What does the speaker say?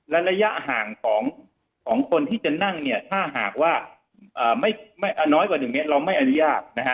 และระยะห่างในของคนที่จะนั่งถ้าห่างน้อยกว่า๑เมตรเราไม่อัลยาห์